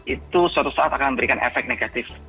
itu suatu saat akan memberikan efek negatif